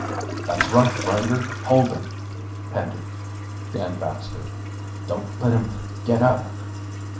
"That's right, Grinder, hold him!" panted Dan Baxter. "Don't let him get up!"